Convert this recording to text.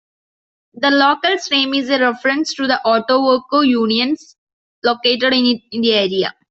The Local's name is a reference to the autoworker unions located in the area.